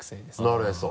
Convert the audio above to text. なるへそ。